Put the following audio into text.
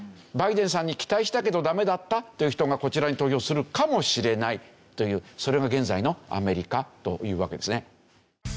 バイデンさんに期待したけどダメだったという人がこちらに投票するかもしれないというそれが現在のアメリカというわけですね。